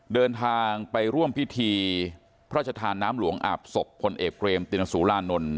เดินทางไปร่วมพิธีพระชธานน้ำหลวงอาบศพพลเอกเบรมตินสุรานนท์